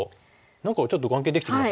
何かちょっと眼形できてきましたね。